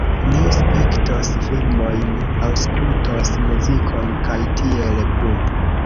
Ni spektos filmojn, aŭskultos muzikon, kaj tiel plu